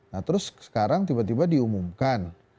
nah terus sekarang tiba tiba diumumkan